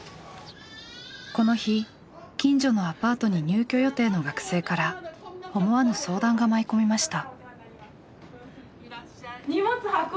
この日近所のアパートに入居予定の学生から思わぬ相談が舞い込みました。